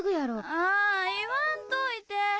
あ言わんといて！